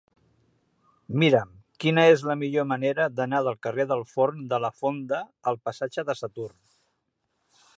Mira'm quina és la millor manera d'anar del carrer del Forn de la Fonda al passatge de Saturn.